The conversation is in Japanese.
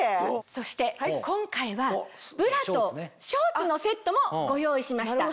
そして今回はブラとショーツのセットもご用意しました。